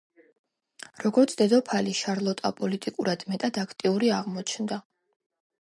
როგორც დედოფალი, შარლოტა პოლიტიკურად მეტად აქტიური აღმოჩნდა.